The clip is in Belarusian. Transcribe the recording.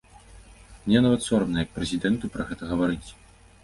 Мне нават сорамна як прэзідэнту пра гэта гаварыць.